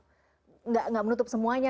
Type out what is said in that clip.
tidak menutup semuanya